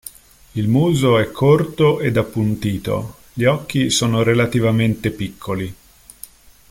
Il muso è corto ed appuntito, gli occhi sono relativamente piccoli.